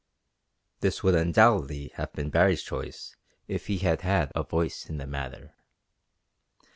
This would undoubtedly have been Baree's choice if he had had a voice in the matter.